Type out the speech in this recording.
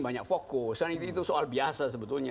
banyak fokus dan itu soal biasa sebetulnya